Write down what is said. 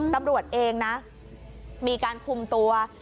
ตำรวจเองนะมีการคุมตัว